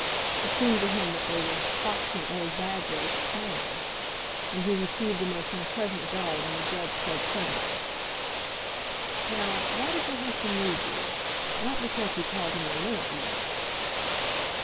It seemed to him that they were "foxing Old Bagwigs finely." And he received a most unpleasant jar when the Judge said suddenly: "Now, why did your husband leave you—not because you called him 'the limit,' you know?"